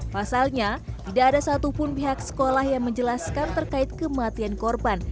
pasalnya tidak ada satupun pihak sekolah yang menjelaskan terkait kematian korban